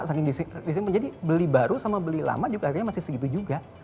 saking disimpan jadi beli baru sama beli lama juga harganya masih segitu juga